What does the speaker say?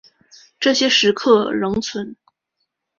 这些石刻仍存。